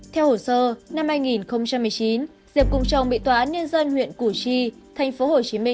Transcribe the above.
theo hồ sơ năm hai nghìn một mươi chín diệp cùng chồng bị tòa án nhân dân huyện củ chi tp hcm